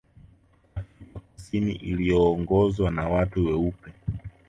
Afrika Kusini iliyoongozwa na watu weupe